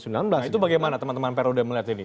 nah itu bagaimana teman teman perode melihat ini